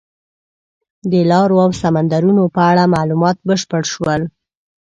د لارو او سمندرونو په اړه معلومات بشپړ شول.